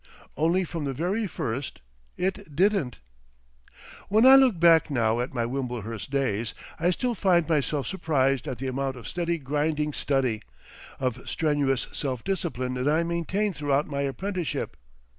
Only from the very first it didn't.... When I look back now at my Wimblehurst days, I still find myself surprised at the amount of steady grinding study, of strenuous self discipline that I maintained throughout my apprenticeship.